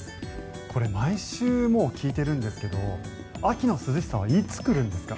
これ、毎週聞いてるんですけど秋の涼しさはいつ来るんですか？